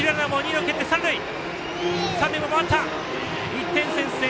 １点先制！